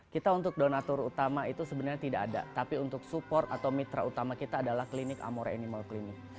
kita untuk donatur utama itu sebenarnya tidak ada tapi untuk support atau mitra utama kita adalah klinik amore animal clinic